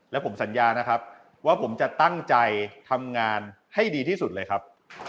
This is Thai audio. และผมสัญญานะครับว่าผมจะตั้งใจทำงานให้ดีที่สุดเลยครับ